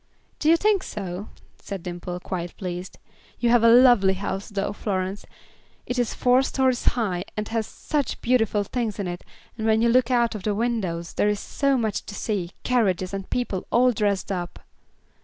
"Do you think so?" said Dimple, quite pleased. "You have a lovely house, though, Florence; it is four stories high, and has such beautiful things in it, and when you look out of the windows there is so much to see, carriages, and people all dressed up."